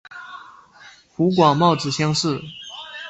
湖广戊子乡试。